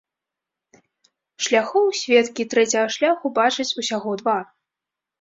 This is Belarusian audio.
Шляхоў сведкі трэцяга шляху бачаць усяго два.